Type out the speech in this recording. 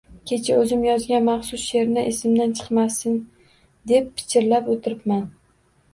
Kecha o`zim yozgan maxsus she`rni esimdan chiqmasin deb pichirlab o`tiribman